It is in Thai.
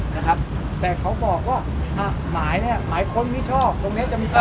นะครับแต่เขาบอกว่าอ่ะหมายเนี้ยหมายค้นมิชอบตรงเนี้ยจะมีการ